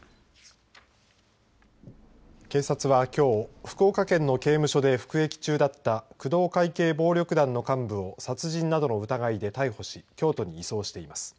警察はきょう福岡県の刑務所で服役中だった工藤会系暴力団の幹部を殺人などの疑いで逮捕し京都に移送しています。